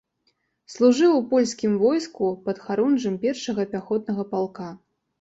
Служыў у польскім войску падхарунжым першага пяхотнага палка.